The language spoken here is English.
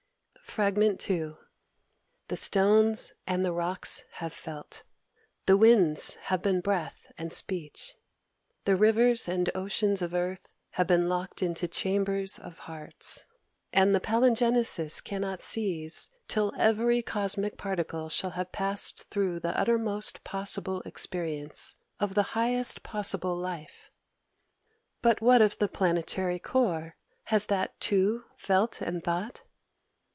Fr. II ... "The stones and the rocks have felt; the winds have been breath and speech; the rivers and oceans of earth have been locked into chambers of hearts. And the palingenesis cannot cease till every cosmic particle shall have passed through the uttermost possible experience of the highest possible life." "But what of the planetary core? has that, too, felt and thought?"